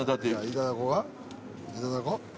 いただこう。